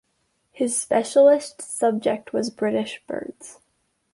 His specialist subject was 'British Birds'.